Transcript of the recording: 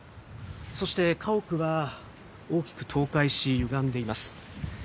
そして、家屋が大きく倒壊し、歪んでいます。